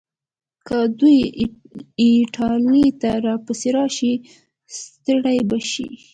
که دوی ایټالیې ته راپسې راشي، ستړي به شي.